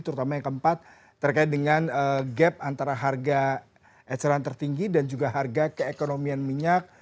terutama yang keempat terkait dengan gap antara harga eceran tertinggi dan juga harga keekonomian minyak